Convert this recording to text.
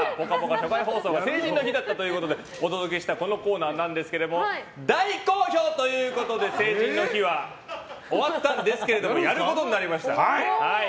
初回放送が成人の日だったということでお届けしたこのコーナーですが大好評ということで成人の日は終わったんですがやることになりました。